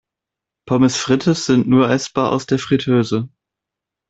Pommes frites sind nur essbar aus der Friteuse.